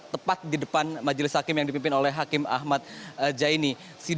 tepat di depan majulis hakem yang dipimpin oleh hakem ahmad jaini